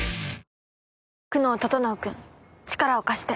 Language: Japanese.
「久能整君力を貸して」